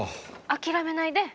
☎諦めないで。